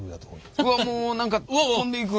うわっもう何か飛んでいく。